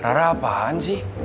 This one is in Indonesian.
rara apaan sih